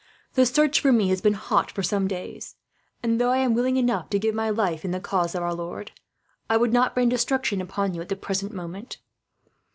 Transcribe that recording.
The search for me has been hot, for some days; and though I am willing enough to give my life in the cause of our Lord, I would not bring destruction upon you, at the present moment.